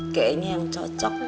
oke ini yang cocok